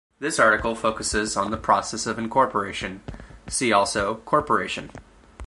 This article focuses on the process of incorporation; see also corporation.